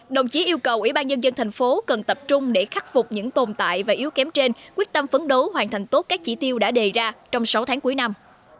đồng chí yêu cầu ủy ban nhân dân thành phố cần tập trung để khắc phục những tồn tại và yếu kém trên quyết tâm phấn đấu hoàn thành tốt các chỉ tiêu đã đề ra trong sáu tháng cuối năm